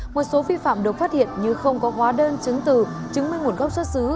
một số vi phạm được phát hiện như không có hóa đơn chứng từ chứng minh nguồn gốc xuất xứ